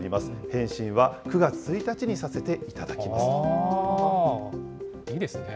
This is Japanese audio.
返信は９月１日にさせていただきいいですね。